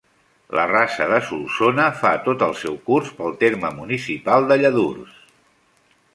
La Rasa de Solsona fa tot el seu curs pel terme municipal de Lladurs.